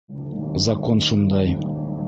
Закон шундай.